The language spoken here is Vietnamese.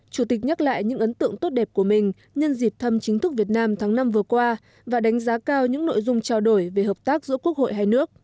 chủ tịch nhắc lại những ấn tượng tốt đẹp của mình nhân dịp thăm chính thức việt nam tháng năm vừa qua và đánh giá cao những nội dung trao đổi về hợp tác giữa quốc hội hai nước